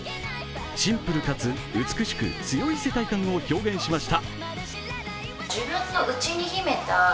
シンプルかつ美しく強い世界観を披露しました。